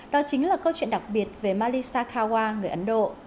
đó chính là câu chuyện đặc biệt về malisa khawa người ấn độ